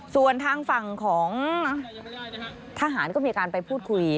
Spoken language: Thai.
ส่วนทางฝั่งของทหารก็มีการไปพูดคุย